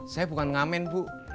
saya bukan ngamen bu